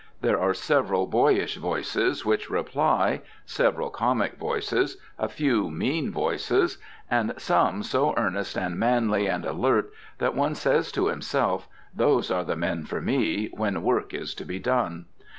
There are several boyish voices which reply, several comic voices, a few mean voices, and some so earnest and manly and alert that one says to himself, "Those are the men for me, when work is to be done!"